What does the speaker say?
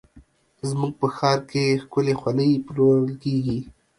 زموږ په ښار کې ښکلې خولۍ پلورل کېږي.